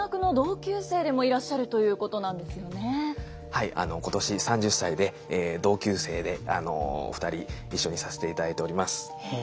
はい今年３０歳で同級生で２人一緒にさせていただいております。